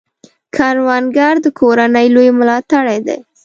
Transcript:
کروندګر د کورنۍ لوی ملاتړی دی